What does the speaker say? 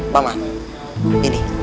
pak man ini